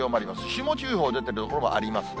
霜注意報出ている所もありますね。